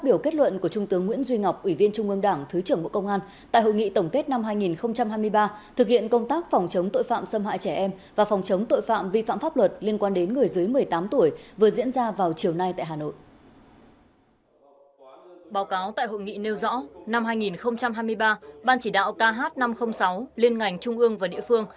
báo cáo tại hội nghị nêu rõ năm hai nghìn hai mươi ba ban chỉ đạo kh năm trăm linh sáu liên ngành trung ương và địa phương